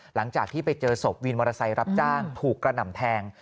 หลังจากที่ไปเจอศพวินมอเตอร์ไซค์รับจ้างถูกกระหน่ำแทง